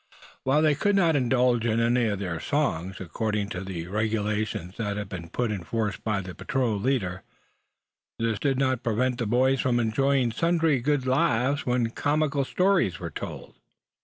While they could not indulge in any of their songs, according to the regulations that had been put in force by the patrol leader, this did not prevent the boys from enjoying sundry good laughs when comical stories were told.